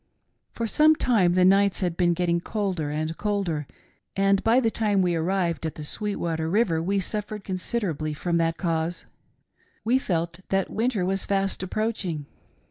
"For some time the nights had been getting colder and colder, and by the time we arrived at the Sweetwater river we suffered considerably from that cause ; we felt that winter was fast approaching.